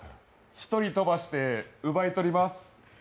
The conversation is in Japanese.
一人飛ばして奪い取ります